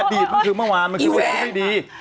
อดีตมันคือเมื่อวานมันคือวิทยาลัยไม่ดี